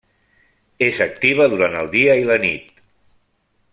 És activa durant el dia i la nit.